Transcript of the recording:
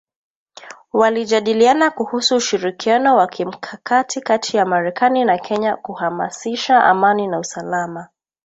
Walijadiliana kuhusu ushirikiano wa kimkakati kati ya Marekani na Kenya kuhamasisha amani na usalama